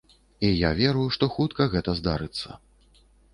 І я веру, што хутка гэта здарыцца.